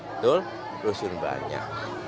betul rusun banyak